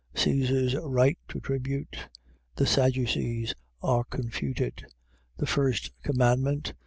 Caesar's right to tribute. The Sadducees are confuted. The first commandment.